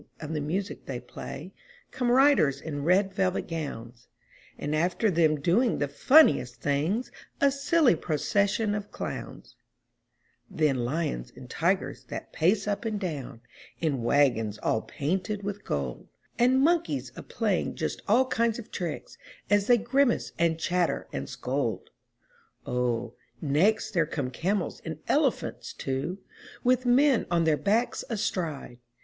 of the music they play, Come riders in red velvet gowns, And after them doing the funniest things, A silly procession of clowns. 386 UP ONE PAIR OF STAIRS Then lions and tigers that pace up and down, In wagons all painted with gold, And monkeys a playing just all kinds of tricks, As they grimace and chatter and scold. O, next there come camels and elephants, too, With men on their backs astride.